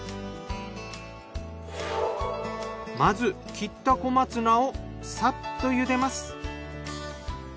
まず切った小松菜をサッとゆでます。